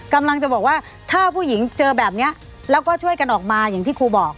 กำลังจะบอกว่าถ้าผู้หญิงเจอแบบนี้แล้วก็ช่วยกันออกมาอย่างที่ครูบอก